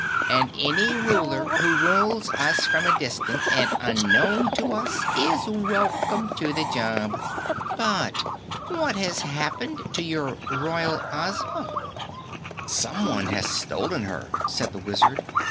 And any Ruler who rules us from a distance and unknown to us is welcome to the job. But what has happened to your Royal Ozma?" "Someone has stolen her," said the Wizard.